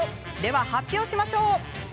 発表しましょう。